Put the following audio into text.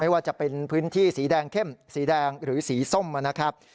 ว่าจะเป็นพื้นที่สีแดงเข้มสีแดงหรือสีส้มนะครับ